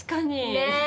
ねえ。